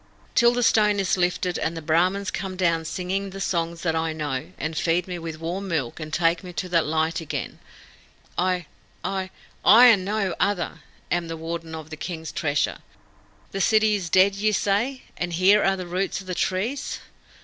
Till the stone is lifted, and the Brahmins come down singing the songs that I know, and feed me with warm milk, and take me to the light again, I I I, and no other, am the Warden of the King's Treasure! The city is dead, ye say, and here are the roots of the trees?